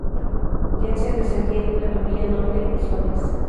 Jensen descendía de una familia noble frisones.